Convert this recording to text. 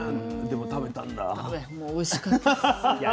もうおいしかったです。